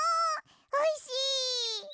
おいしい！